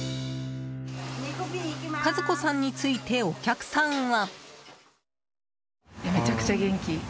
和子さんについてお客さんは。